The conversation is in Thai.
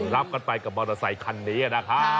รับกันไปกับมอเตอร์ไซคันนี้นะครับ